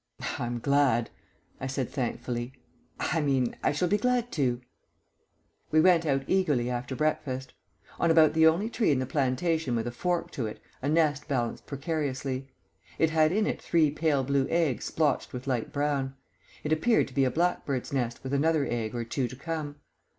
"I'm glad," I said thankfully. "I mean, I shall be glad to." We went out eagerly after breakfast. On about the only tree in the plantation with a fork to it a nest balanced precariously. It had in it three pale blue eggs splotched with light brown. It appeared to be a blackbird's nest with another egg or two to come.